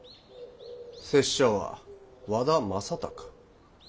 拙者は和田正隆。